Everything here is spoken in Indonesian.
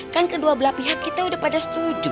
kan kedua belah pihak kita udah pada setuju